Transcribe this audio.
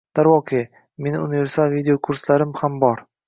darvoqe, meni universal videokurslarim ham bor.